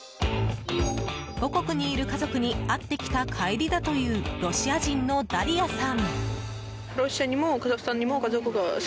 母国にいる家族に会ってきた帰りだというロシア人のダリアさん。